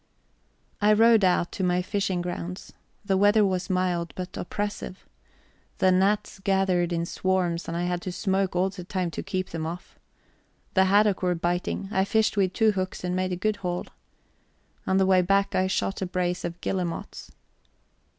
I rowed out to my fishing grounds. The weather was mild, but oppressive. The gnats gathered in swarms, and I had to smoke all the time to keep them off. The haddock were biting; I fished with two hooks and made a good haul. On the way back I shot a brace of guillemots.